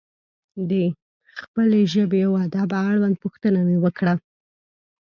د خپلې ژبې و ادب اړوند پوښتنه مې وکړه.